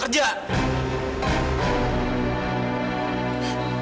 kamu bisa kerja